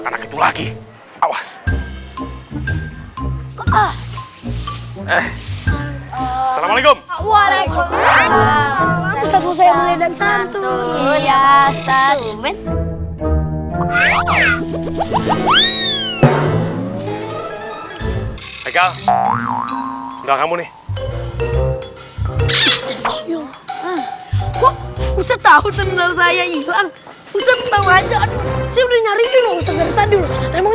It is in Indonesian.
karena gitu lagi awas ah eh assalamualaikum waalaikumsalam